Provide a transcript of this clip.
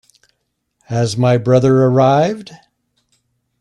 Has my brother arrived?